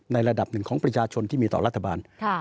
ระดับหนึ่งของประชาชนที่มีต่อรัฐบาล